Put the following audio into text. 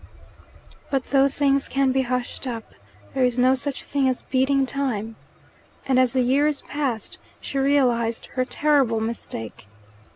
But though things can be hushed up, there is no such thing as beating time; and as the years passed she realized her terrible mistake.